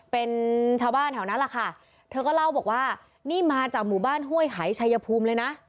เป็นชาวบ้านแถวนั้นแหละค่ะเธอก็เล่าบอกว่านี่มาจากหมู่บ้านห้วยหายชัยภูมิเลยนะ